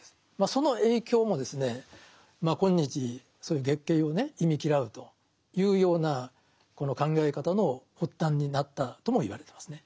その影響もまあ今日そういう月経をね忌み嫌うというようなこの考え方の発端になったともいわれてますね。